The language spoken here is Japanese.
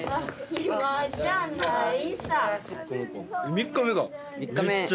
３日目が。